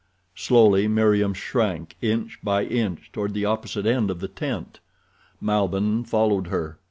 Slowly Meriem shrank inch by inch toward the opposite end of the tent. Malbihn followed her.